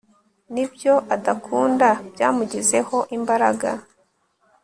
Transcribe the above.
nibyo adakunda byamugizeho imbaraga